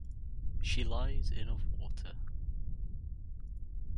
She lies in of water.